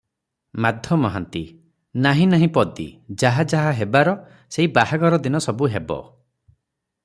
ମାଧ ମହାନ୍ତି-ନାହିଁ ନାହିଁ ପଦୀ, ଯାହା ଯାହା ହେବାର; ସେଇ ବାହାଘର ଦିନ ସବୁ ହେବ ।